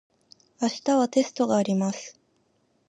明日はテストがあります。